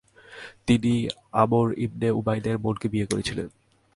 তিনি আমর ইবনে উবাইদের বোনকে বিয়ে করেছিলেন।